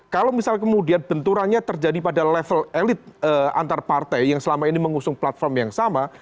kalau misal kemudian benturannya terjadi pada level elit antar partai yang selama ini mengusung platform yang sama